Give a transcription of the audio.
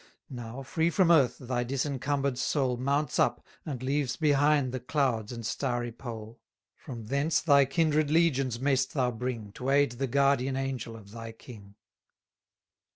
Now, free from earth, thy disencumber'd soul 850 Mounts up, and leaves behind the clouds and starry pole: From thence thy kindred legions mayst thou bring, To aid the guardian angel of thy king.